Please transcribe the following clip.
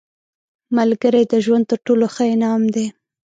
ملګری د ژوند تر ټولو ښه انعام دی